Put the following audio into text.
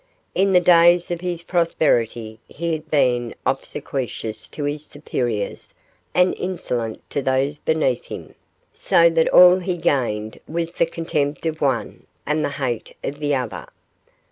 In the days of his prosperity he had been obsequious to his superiors and insolent to those beneath him, so that all he gained was the contempt of one and the hate of the other.